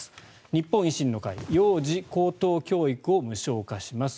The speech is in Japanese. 日本維新の会幼児・高等教育を無償化します